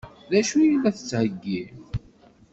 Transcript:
D acu i la d-tettheggi?